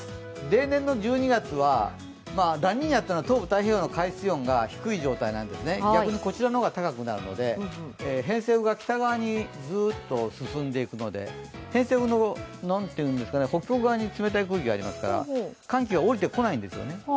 例年の１２月はラニーニャというのは東部太平洋の海水温が低い状態なんですね、逆にこちらの方が高くなるので偏西風が北側にずっと進んでいくので偏西風の北東側に冷たい空気がありますから寒気が降りてこないんですよね。